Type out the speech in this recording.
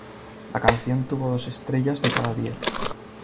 La canción tuvo dos estrellas de cada diez.